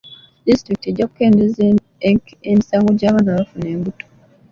Disitulikiti ejja kukendeeza emisango gy'abaana abafuna embuto.